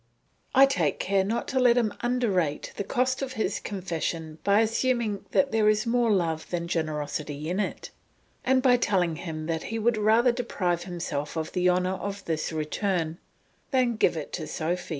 I take care not to let him underrate the cost of his confession by assuming that there is more love than generosity in it, and by telling him that he would rather deprive himself of the honour of this return, than give it to Sophy.